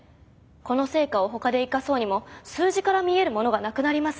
この成果をほかで生かそうにも数字から見えるものがなくなります。